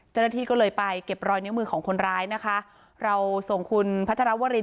เจ้าหน้าที่ก็เลยไปเก็บรอยนิ้วมือของคนร้ายนะคะเราส่งคุณพัชรวริน